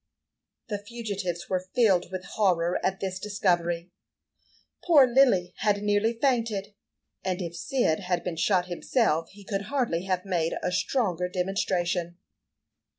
The fugitives were filled with horror at this discovery. Poor Lily had nearly fainted, and if Cyd had been shot himself, he could hardly have made a stronger demonstration.